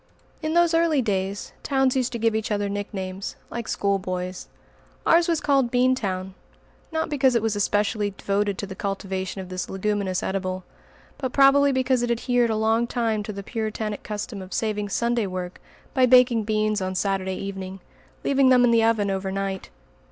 In those early days, towns used to give each other nicknames, like schoolboys. Ours was called "Bean town" not because it was especially devoted to the cultivation of this leguminous edible, but probably because it adhered a long time to the Puritanic custom of saving Sunday work by baking beans on Saturday evening, leaving them in the oven over night.